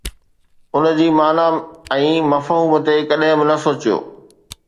ان جي معنيٰ ۽ مفهوم تي ڪڏهن به نه سوچيو